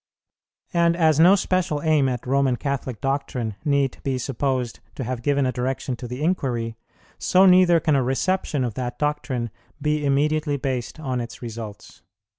And as no special aim at Roman Catholic doctrine need be supposed to have given a direction to the inquiry, so neither can a reception of that doctrine be immediately based on its results.